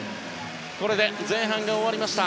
これで前半が終わりました。